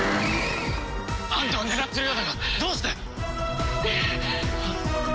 あんたを狙っているようだがどうして！？